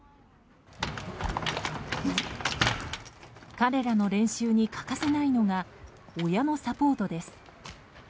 彼らの練習には欠かせないのが親のサポートです。